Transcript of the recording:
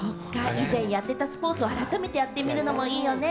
以前やってたスポーツを改めてやるのもいいよね。